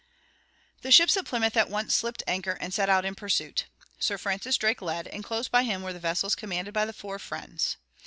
The ships at Plymouth at once slipped anchor and set out in pursuit. Sir Francis Drake led, and close by him were the vessels commanded by the four friends.